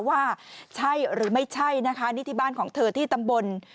ว่าใช่หรือไม่ใช่นิทิบาลของเธอที่ตำบล